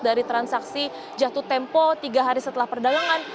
dari transaksi jatuh tempo tiga hari setelah perdagangan